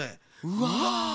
うわ。